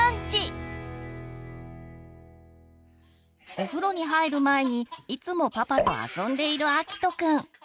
お風呂に入る前にいつもパパと遊んでいるあきとくん。